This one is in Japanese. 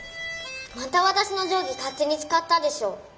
またわたしのじょうぎかってにつかったでしょ！